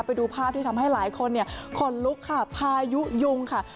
ไปดูภาพที่ทำให้หลายคนเนี่ยขนลุกค่ะพายุยุงค่ะ